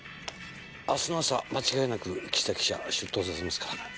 明日の朝間違いなく岸田記者出頭させますから。